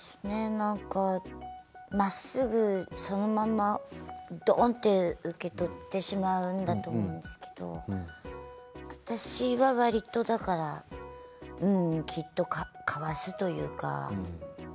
まっすぐそのままドンと受け取ってしまうんだと思うんですけど私はわりとだからきっとかわすというか。